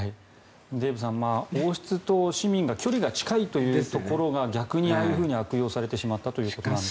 デーブさん王室と市民が距離が近いというところが逆にああいうふうに悪用されてしまったということですかね。